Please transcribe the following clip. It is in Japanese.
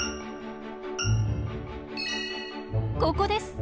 ここです！